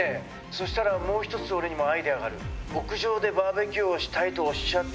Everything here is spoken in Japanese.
そしたらもう１つ俺にもアイデアがある。